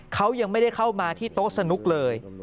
เขายังไม่ได้เข้ามาที่โต๊ะสนุกเลย